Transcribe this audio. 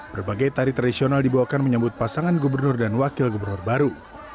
berbagai tari tradisional dibawakan menyambut pasangan gubernur dan wakil gubernur baru